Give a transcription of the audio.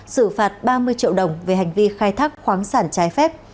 xử phạt ba mươi triệu đồng về hành vi khai thác khoáng sản trái phép